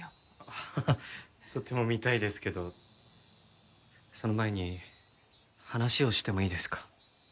ハハハとても見たいですけどその前に話をしてもいいですか？